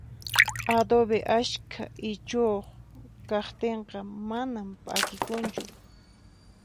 Adobe ashka ichuyuq kaqtinqa manan p'akikunchu